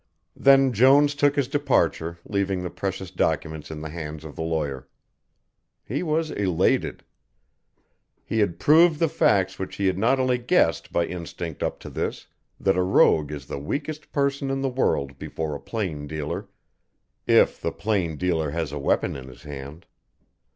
Then Jones took his departure, leaving the precious documents in the hands of the lawyer. He was elated. He had proved the facts which he had only guessed by instinct up to this, that a rogue is the weakest person in the world before a plain dealer, if the plain dealer has a weapon in his hand.